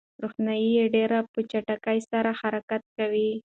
روښنايي ډېر په چټکۍ سره حرکت کوي.